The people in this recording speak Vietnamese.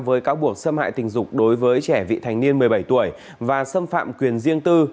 với cáo buộc xâm hại tình dục đối với trẻ vị thành niên một mươi bảy tuổi và xâm phạm quyền riêng tư